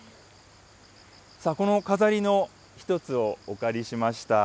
この飾りの１つをお借りしました。